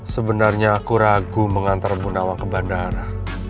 sebenarnya aku ragu mengantar bunda awang ke bandara